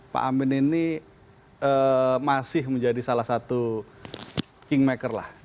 pak amin ini masih menjadi salah satu kingmaker lah